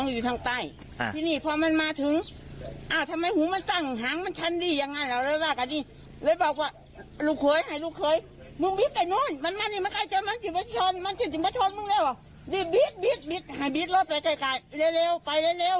อย่าบิดมอเตอร์ไซด์เลยมาคุณป้าบิดไปฟังค่ะ